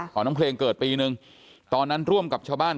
น้องเพลงเกิดปีนึงตอนนั้นร่วมกับชาวบ้าน